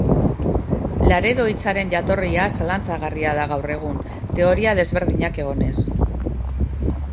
Laredo hitzaren jatorria zalantzagarria da gaur egun, teoria desberdinak egonez.